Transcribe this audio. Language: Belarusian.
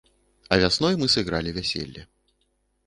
А вясной мы сыгралі вяселле.